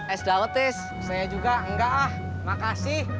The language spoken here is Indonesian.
es daud es saya juga enggak ah makasih